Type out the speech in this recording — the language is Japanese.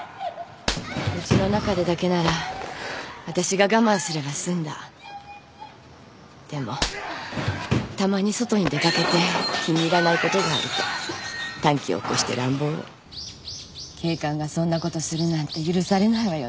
うちの中でだけなら私が我慢すれば済んだでもたまに外に出かけて気に入らないことがあると短気を起こして乱暴を警官がそんなことするなんて許されないわよね